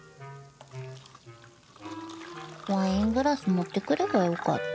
ワイングラス持ってくればよかった。